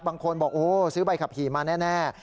บางคนบอกโอ้ซื้อใบขับขี่มาแน่